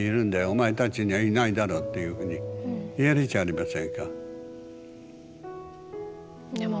お前たちにはいないだろうっていうふうに言えるじゃありませんか。